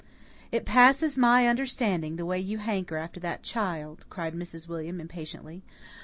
"It passes my understanding, the way you hanker after that child," cried Mrs. William impatiently.